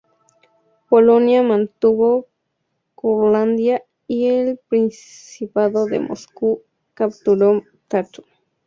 Polonia mantuvo Curlandia y el Principado de Moscú capturó Tartu.